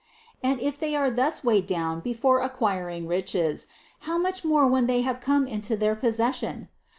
And if they are thus weighed down before acquiring riches, how much more when they have come into their possession